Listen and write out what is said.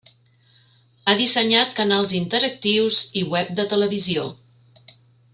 Ha dissenyat canals interactius i web de televisió.